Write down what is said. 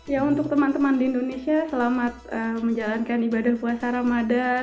ya untuk teman teman di indonesia selamat menjalankan ibadah puasa ramadan